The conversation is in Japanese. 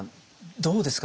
どうですか？